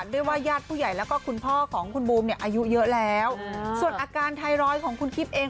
ด้วยว่าญาติผู้ใหญ่แล้วก็คุณพ่อของคุณบูมเนี่ยอายุเยอะแล้วส่วนอาการไทรอยด์ของคุณกิ๊บเอง